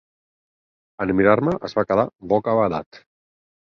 En mirar-me, es va quedar bocabadat.